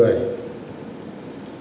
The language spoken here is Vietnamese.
phải đặc biệt xây dựng con người